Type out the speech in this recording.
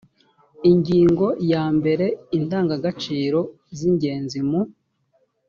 ingingo ya mbere indangagaciro z ingenzi mu